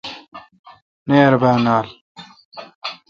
نیر با نال۔